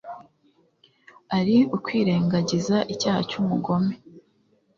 ari ukwirengagiza icyaha cy'umugome